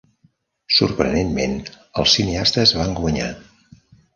Sorprenentment, els cineastes van guanyar.